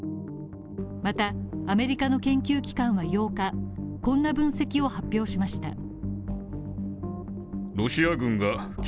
また、アメリカの研究機関は８日、こんな分析を発表しました。